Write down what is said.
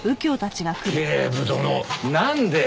警部殿なんで。